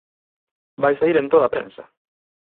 ¡Vai saír en toda a prensa!